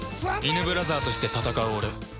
イヌブラザーとして戦う俺